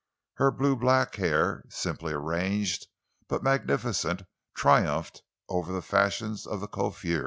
Her blue black hair, simply arranged but magnificent, triumphed over the fashions of the coiffeur.